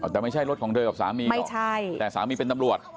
แต่ไม่ใช่รถของเธอกับสามีไม่ใช่แต่สามีเป็นตำรวจ